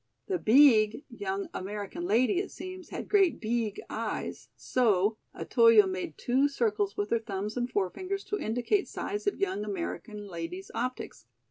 The "beeg" young American lady, it seems, had great "beeg" eyes, so: Otoyo made two circles with her thumbs and forefingers to indicate size of young American lady's optics.